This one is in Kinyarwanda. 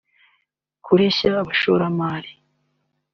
kureshya abashoramari